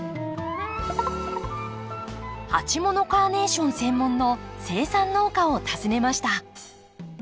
鉢物カーネーション専門の生産農家を訪ねました。